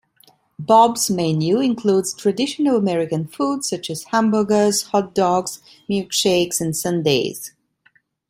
Bob's menu includes traditional American food such as hamburgers, hot dogs, milkshakes and sundaes.